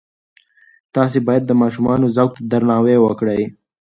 تاسې باید د ماشومانو ذوق ته درناوی وکړئ.